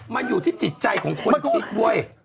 มันอยู่ที่จิตใจของคนคิดเว้ย